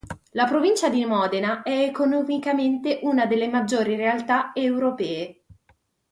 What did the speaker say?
La provincia di Modena è economicamente una delle maggiori realtà europee.